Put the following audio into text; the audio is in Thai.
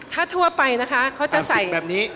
ถ้าทั่วไปนะคะเขาจะใส่